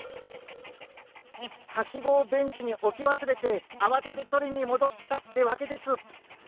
ハシゴをベンチにおきわすれてあわててとりにもどったってわけです。